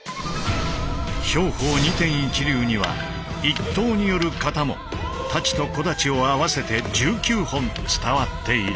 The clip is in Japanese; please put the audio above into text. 兵法二天一流には一刀による形も太刀と小太刀を合わせて１９本伝わっている。